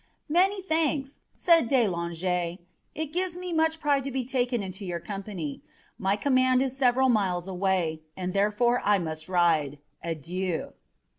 "Many thanks," said de Langeais. "It gives me much pride to be taken into your company. My command is several miles away, and therefore I must ride. Adieu."